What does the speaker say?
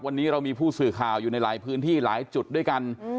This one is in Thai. วันนี้เรามีผู้สื่อข่าวอยู่ในหลายพื้นที่หลายจุดด้วยกัน